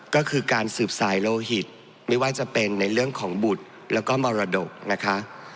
ก็คือการสืบสายโลหิตไม่ว่าจะเป็นในเรื่องของบุตรแล้วก็มรดกนะคะ